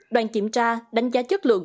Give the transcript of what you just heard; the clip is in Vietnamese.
đoàn kiểm tra đánh giá chất lượng